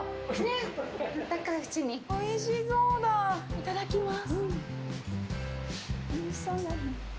いただきます。